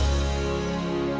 aku mau pergi ke rumah kamu